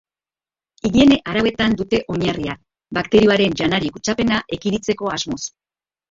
Higiene arauetan dute oinarria, bakterioaren janari kutsapena ekiditeko asmoz.